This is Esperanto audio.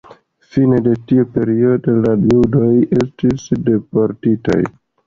Fine de tiu periodo la judoj estis deportitaj.